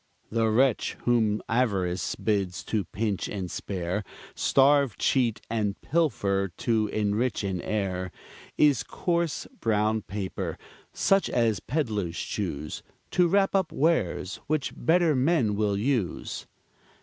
The wretch whom avarice bids to pinch and spare, Starve, cheat, and pilfer, to enrich an heir, Is coarse brown paper, such as peddlers choose To wrap up wares which better men will use.